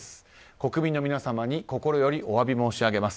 国民の皆様に心よりお詫び申し上げます。